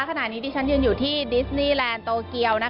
ขณะนี้ดิฉันยืนอยู่ที่ดิสนีแลนด์โตเกียว